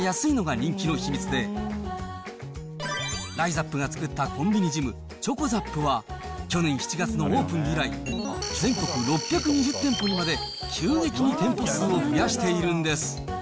人気の秘密でＲＩＺＡＰが作ったコンビニジム「ｃｈｏｃｏＺＡＰ」は去年７月のオープン以来全国６２０店舗にまで急激に店舗数を増やしているんです。